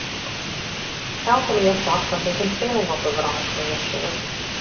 Elkenien tocht dat ik in twilling op 'e wrâld bringe soe.